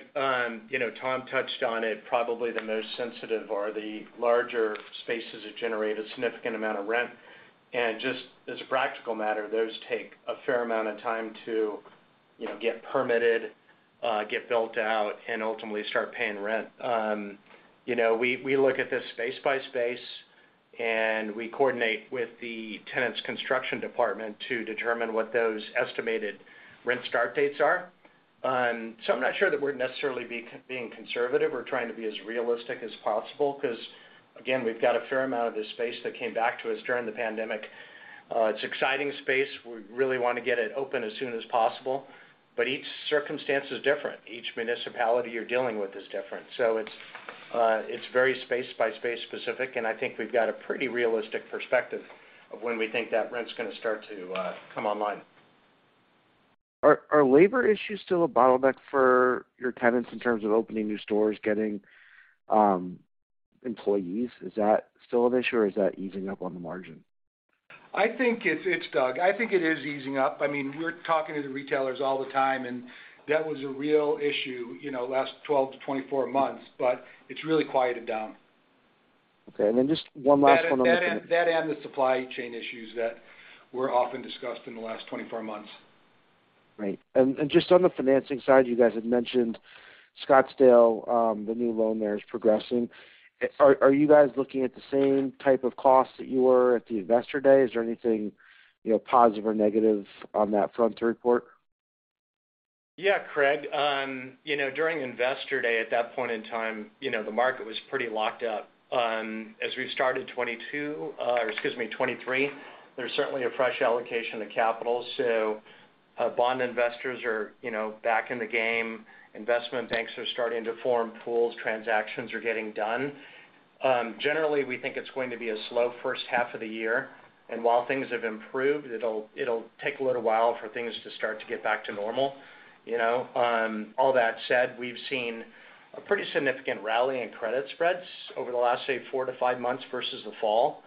you know, Tom touched on it. Probably the most sensitive are the larger spaces that generate a significant amount of rent. Just as a practical matter, those take a fair amount of time to, you know, get permitted, get built out and ultimately start paying rent. I'm not sure that we're necessarily being conservative. We're trying to be as realistic as possible because, again, we've got a fair amount of this space that came back to us during the pandemic. It's exciting space. We really wanna get it open as soon as possible. Each circumstance is different. Each municipality you're dealing with is different. It's very space by space specific, and I think we've got a pretty realistic perspective of when we think that rent's gonna start to come online. Are labor issues still a bottleneck for your tenants in terms of opening new stores, getting employees? Is that still an issue, or is that easing up on the margin? Doug, I think it is easing up. I mean, we're talking to the retailers all the time, and that was a real issue, you know, last 12-24 months, but it's really quieted down. Okay. just one last one on. That and the supply chain issues that were often discussed in the last 24 months. Right. Just on the financing side, you guys had mentioned Scottsdale, the new loan there is progressing. Are you guys looking at the same type of costs that you were at the Investor Day? Is there anything, you know, positive or negative on that front to report? Yeah, Craig. you know, during Investor Day, at that point in time, you know, the market was pretty locked up. As we started 2022, or excuse me, 2023, there's certainly a fresh allocation of capital. Bond investors are, you know, back in the game. Investment banks are starting to form pools. Transactions are getting done. Generally, we think it's going to be a slow first half of the year, and while things have improved, it'll take a little while for things to start to get back to normal, you know. All that said, we've seen a pretty significant rally in credit spreads over the last, say, four to five months versus the fall.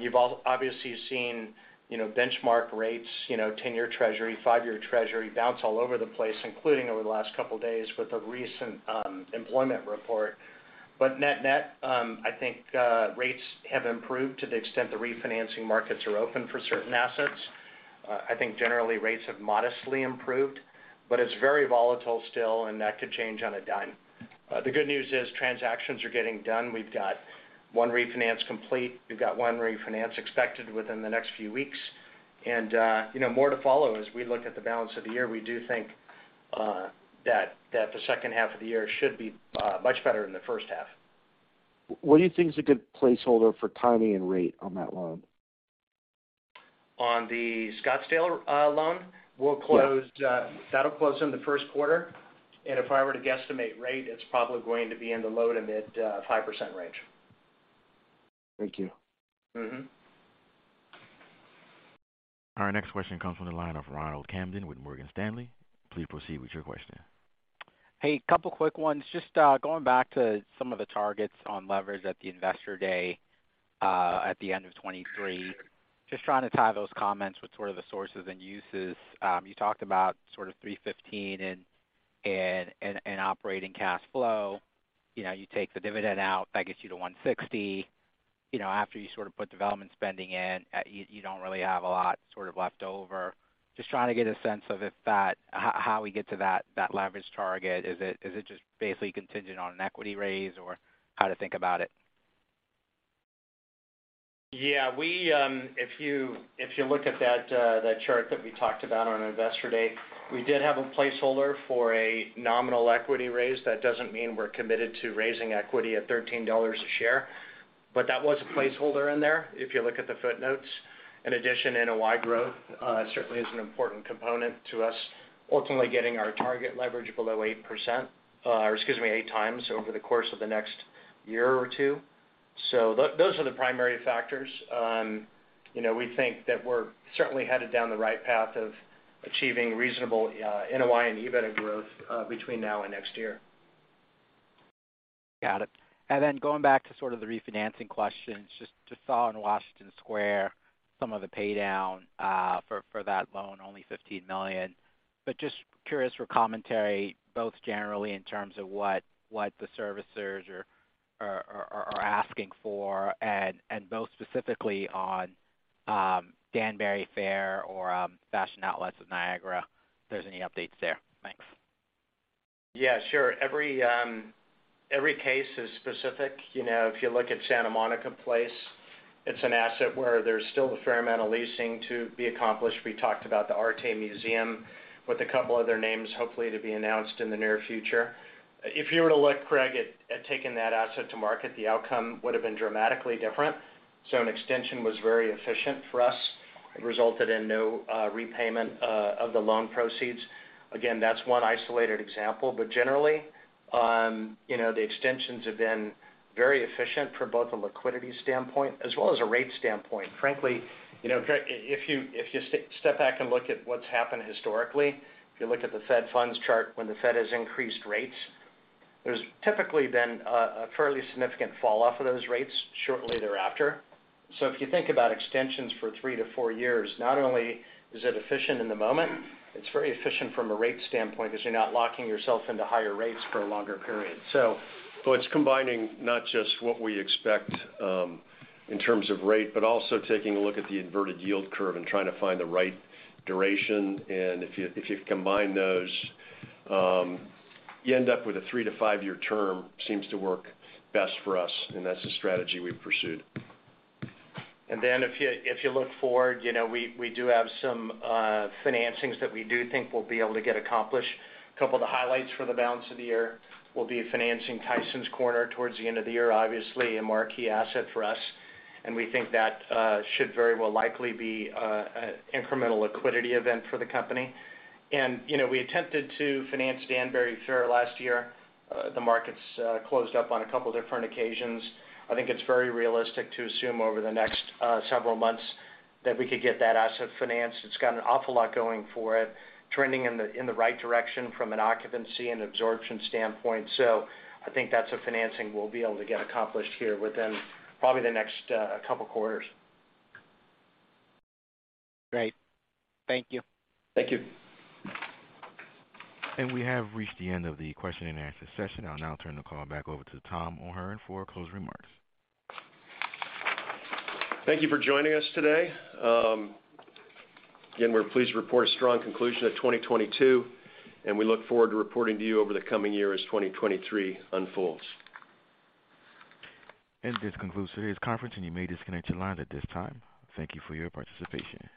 You've obviously seen, you know, benchmark rates, you know, 10 year treasury, five year treasury bounce all over the place, including over the last couple days with the recent employment report. Net-net, I think rates have improved to the extent the refinancing markets are open for certain assets. I think generally, rates have modestly improved, but it's very volatile still, and that could change on a dime. The good news is transactions are getting done. We've got one refinance complete. We've got one refinance expected within the next few weeks. More to follow as we look at the balance of the year. We do think that the second half of the year should be much better than the first half. What do you think is a good placeholder for timing and rate on that loan? On the Scottsdale loan? Yeah. That'll close in the Q1. If I were to guesstimate rate, it's probably going to be in the low to mid 5% range. Thank you. Mm-hmm. Our next question comes from the line of Ronald Kamdem with Morgan Stanley. Please proceed with your question. Hey, couple quick ones. Just going back to some of the targets on leverage at the Investor Day at the end of 2023. Just trying to tie those comments with sort of the sources and uses. You talked about sort of $315 million in operating cash flow. You know, you take the dividend out, that gets you to $160 million. You know, after you sort of put development spending in, you don't really have a lot sort of left over. Just trying to get a sense of if that how we get to that leverage target. Is it just basically contingent on an equity raise or how to think about it? Yeah. We, if you look at that chart that we talked about on Investor Day, we did have a placeholder for a nominal equity raise. That doesn't mean we're committed to raising equity at $13 a share, but that was a placeholder in there if you look at the footnotes. In addition, NOI growth, certainly is an important component to us, ultimately getting our target leverage below 8%, or excuse me, eight times over the course of the next year or two. Those are the primary factors. You know, we think that we're certainly headed down the right path of achieving reasonable, NOI and EBITDA growth, between now and next year. Got it. Going back to sort of the refinancing questions, just saw in Washington Square some of the pay down for that loan, only $15 million. Just curious for commentary, both generally in terms of what the servicers are asking for, and both specifically on Danbury Fair or Fashion Outlets at Niagara, if there's any updates there. Thanks. Every case is specific. You know, if you look at Santa Monica Place, it's an asset where there's still a fair amount of leasing to be accomplished. We talked about the ARTE MUSEUM with a couple other names, hopefully to be announced in the near future. If you were to let Craig had taken that asset to market, the outcome would have been dramatically different. An extension was very efficient for us. It resulted in no repayment of the loan proceeds. Again, that's one isolated example, but generally, you know, the extensions have been very efficient for both a liquidity standpoint as well as a rate standpoint. Frankly, you know, Craig, if you, if you step back and look at what's happened historically, if you look at the Fed funds chart, when the Fed has increased rates, there's typically been a fairly significant fall off of those rates shortly thereafter. If you think about extensions for three to four years, not only is it efficient in the moment, it's very efficient from a rate standpoint because you're not locking yourself into higher rates for a longer period. It's combining not just what we expect, in terms of rate, but also taking a look at the inverted yield curve and trying to find the right duration. If you combine those, you end up with a three to five year term, seems to work best for us, and that's the strategy we've pursued. If you, if you look forward, you know, we do have some financings that we do think we'll be able to get accomplished. A couple of the highlights for the balance of the year will be financing Tysons Corner towards the end of the year, obviously a marquee asset for us, and we think that should very well likely be an incremental liquidity event for the company. You know, we attempted to finance Danbury Fair last year. The markets closed up on a couple different occasions. I think it's very realistic to assume over the next several months that we could get that asset financed. It's got an awful lot going for it, trending in the, in the right direction from an occupancy and absorption standpoint.I think that's a financing we'll be able to get accomplished here within probably the next couple quarters. Great. Thank you. Thank you. We have reached the end of the question and answer session. I'll now turn the call back over to Tom O'Hern for closing remarks. Thank you for joining us today. Again, we're pleased to report a strong conclusion of 2022. We look forward to reporting to you over the coming year as 2023 unfolds. This concludes today's conference, and you may disconnect your line at this time. Thank you for your participation.